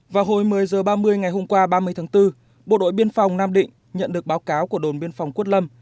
vào hồi một mươi h ba mươi ngày hôm qua ba mươi tháng bốn bộ đội biên phòng nam định nhận được báo cáo của đồn biên phòng quất lâm